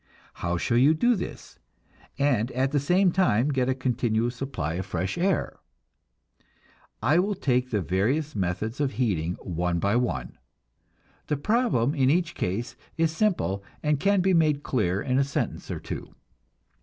How shall you do this, and at the same time get a continual supply of fresh air? I will take the various methods of heating one by one. The problem in each case is simple and can be made clear in a sentence or two.